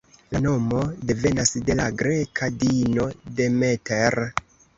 La nomo devenas de la greka diino Demeter.